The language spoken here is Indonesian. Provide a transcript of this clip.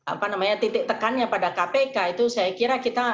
apa namanya titik tekannya pada kpk itu saya kira kita